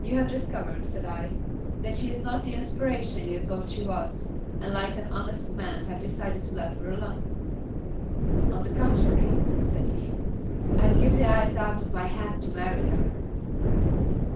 "You have discovered," said I, "that she is not the inspiration you thought she was, and like an honest man have decided to let her alone." "On the contrary," said he. "I'd give the eyes out of my head to marry her."